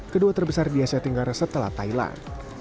kedua terbesar di asia tenggara setelah thailand